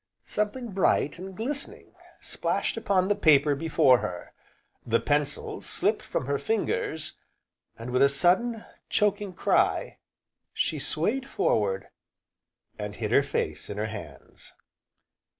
Something bright and glistening splashed upon the paper before her, the pencil slipped from her fingers, and, with a sudden, choking cry, she swayed forward, and hid her face in her hands.